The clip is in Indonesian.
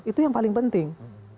itu yang paling penting